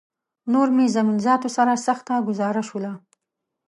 نور مې زمین ذاتو سره سخته ګوزاره شوله